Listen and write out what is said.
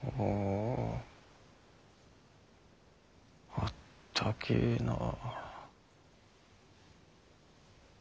あったけぇなぁ。